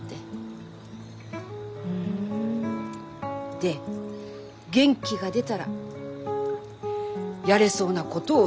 で元気が出たらやれそうなことを一つずつ。